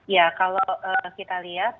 ya kalau kita lihat